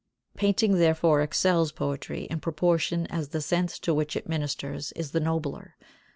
Painting, therefore, excels poetry in proportion as the sense to which it ministers is the nobler.